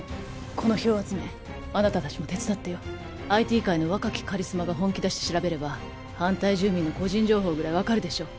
この票集めあなた達も手伝ってよＩＴ界の若きカリスマが本気出して調べれば反対住民の個人情報ぐらい分かるでしょ？